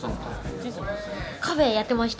カフェやってました。